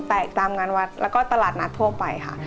ตามงานวัดแล้วก็ตลาดนัดทั่วไปค่ะ